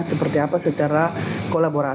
seperti apa secara kolaborasi